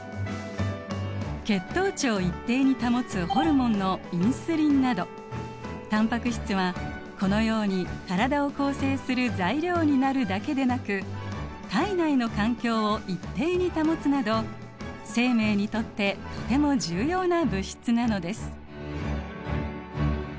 血糖値を一定に保つホルモンのインスリンなどタンパク質はこのように体を構成する材料になるだけでなく体内の環境を一定に保つなど生命にとってとても重要な物質なのです。